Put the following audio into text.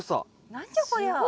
何じゃこりゃ。